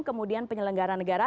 kemudian penyelenggaran negara